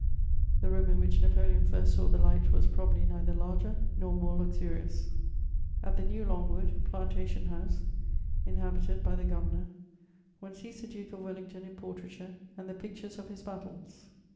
The room in which Napoleon first saw the light was probably neither larger nor more luxurious. At the new Longwood, Plantation House, inhabited by the Governor, one sees the Duke of Wellington in portraiture and the pictures of his battles.